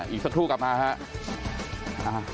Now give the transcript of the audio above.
อีกสักทุกกลับมาครับ